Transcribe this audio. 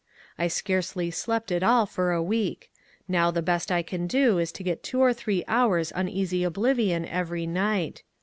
I scarcely slept at all for a week ; now the best I can do is to get two or three hours' uneasy oblivion every night.